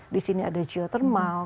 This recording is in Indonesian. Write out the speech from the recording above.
di sini ada geothermal